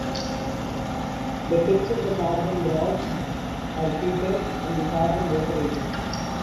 The tips of the carbon rods are heated and the carbon vaporizes.